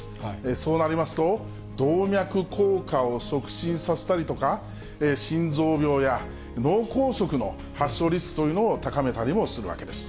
そうなりますと、動脈硬化を促進させたりとか、心臓病や脳梗塞の発症リスクというのを高めたりもするわけです。